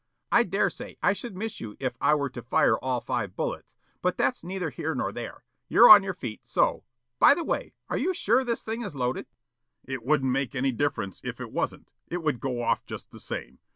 "I dare say I should miss you if I were to fire all five bullets, but that's neither here nor there. You're on your feet, so by the way, are you sure this thing is loaded?" "It wouldn't make any difference if it wasn't. It would go off just the same.